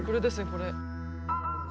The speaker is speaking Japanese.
これ。